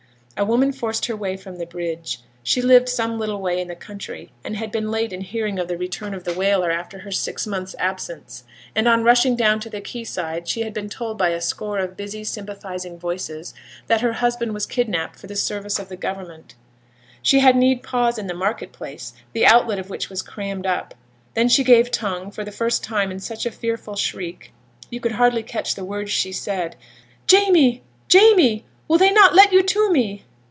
A woman forced her way up from the bridge. She lived some little way in the country, and had been late in hearing of the return of the whaler after her six months' absence; and on rushing down to the quay side, she had been told by a score of busy, sympathizing voices, that her husband was kidnapped for the service of the Government. She had need pause in the market place, the outlet of which was crammed up. Then she gave tongue for the first time in such a fearful shriek, you could hardly catch the words she said. 'Jamie! Jamie! will they not let you to me?'